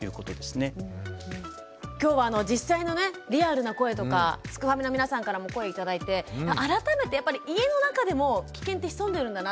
今日は実際のねリアルな声とかすくファミの皆さんからも声頂いて改めてやっぱり家の中でもキケンって潜んでるんだなって思いましたね。